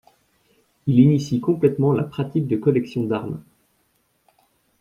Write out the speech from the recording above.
Il initie complètement la pratique de collection d'armes.